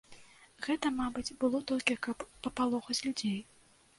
Гэта, мабыць, было толькі каб папалохаць людзей.